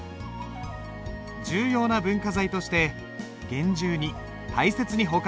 重要な文化財として厳重に大切に保管されている。